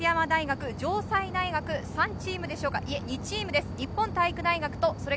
松山大、城西大学、３チームでしょうか、いや２チームです。